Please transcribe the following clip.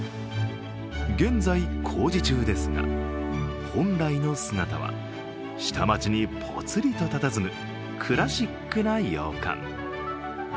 現在工事中ですが、本来の姿は下町にポツリとたたずむクラシックな洋館。